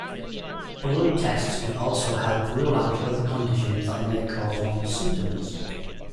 Blood tests can also help rule out other conditions that may cause one's symptoms.